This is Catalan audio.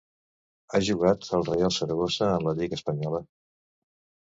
Ha jugat al Reial Saragossa en la lliga espanyola.